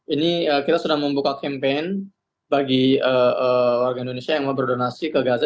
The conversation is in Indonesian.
ini kita sudah membuka campaign bagi warga indonesia yang mau berdonasi ke gaza